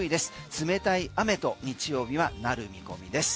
冷たい雨と日曜日はなる見込みです。